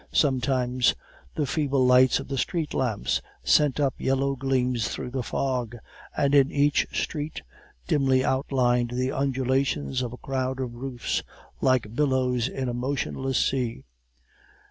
Sometimes the feeble lights of the street lamps sent up yellow gleams through the fog, and in each street dimly outlined the undulations of a crowd of roofs, like billows in a motionless sea.